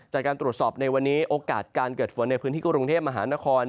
จากการตรวจสอบในวันนี้โอกาสการเกิดฝนในพื้นที่กรุงเทพมหานคร